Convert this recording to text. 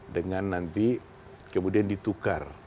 dengan nanti kemudian ditukar